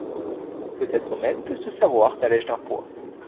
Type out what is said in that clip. Peut-être même que ce savoir t’allège d’un poids.